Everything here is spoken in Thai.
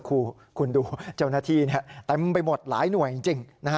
คุณดูเจ้าหน้าที่เต็มไปหมดหลายหน่วยจริง